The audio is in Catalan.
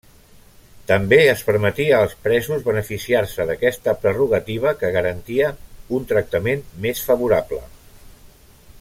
També es permetia als presos beneficiar-se d'aquesta prerrogativa, que garantia un tractament més favorable.